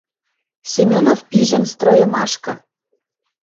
Семенов пижӹн стройымашкы —